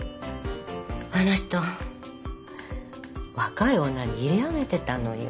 あの人若い女にいれあげてたのよ。